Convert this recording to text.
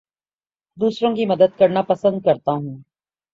دوسروں کی مدد کرنا پسند کرتا ہوں